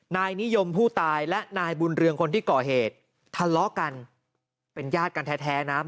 นายนิยมผู้ตายและนายบุญเรืองคนที่ก่อเหตุทะเลาะกันเป็นญาติกันแท้นะ